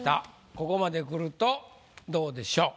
ここまでくるとどうでしょう？